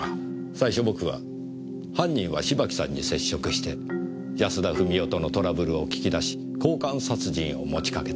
最初僕は犯人は芝木さんに接触して安田富美代とのトラブルを聞き出し交換殺人を持ちかけた。